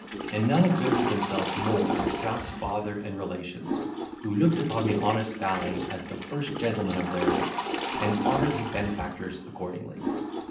And none exerted themselves more than Strap's father and relations, who looked upon the honest valet as the first gentleman of their race, and honoured his benefactors accordingly.